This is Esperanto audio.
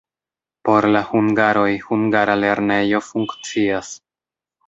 Por la hungaroj hungara lernejo funkcias.